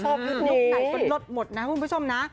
ยุคไหนก็ลดหมดนะคุณผู้ชมนะ